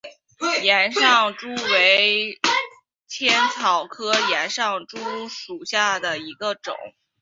岩上珠为茜草科岩上珠属下的一个种。